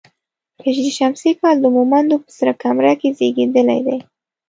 په هـ ش کال د مومندو په سره کمره کې زېږېدلی دی.